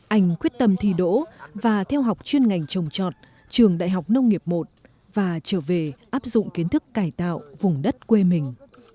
anh quyết tâm thi đỗ và theo học chuyên ngành trồng trọt trường đại học nông nghiệp một và trở về áp dụng kiến thức cải tạo vùng đất quê mình